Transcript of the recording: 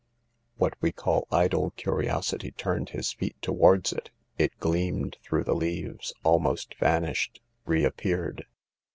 What we call idle curiosity turned his feet towards it. It gleamed through the leaves, almost vanished, reappeared.